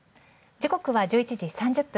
時刻は１１時３０分。